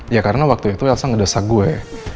ya karena waktu itu elsa ngedesak gue ya